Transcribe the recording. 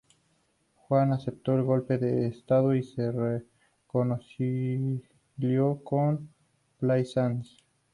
Juan aceptó el golpe de Estado y se reconcilió con Plaisance.